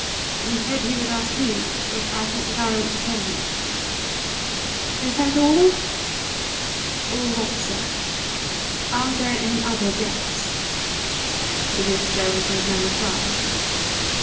"He said he would ask you. But I thought that I ought to tell you." "Is that all?" "All what, sir?" "Are there other debts?" To this Gerald made no reply.